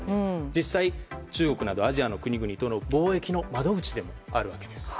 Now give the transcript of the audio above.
実際、中国などアジアの国々との貿易の窓口でもあるわけです。